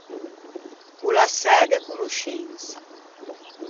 O l’à sæ de conoscensa.